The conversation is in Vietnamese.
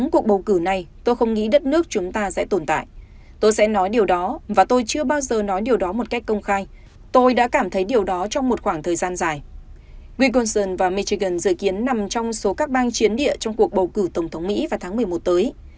quyên côn sơn và michigan dự kiến nằm trong số các bang chiến địa trong cuộc bầu cử tổng thống mỹ vào tháng một mươi một tới